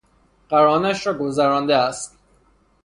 قرانش را گذرانده است